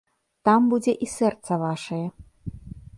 Там будзе і сэрца вашае.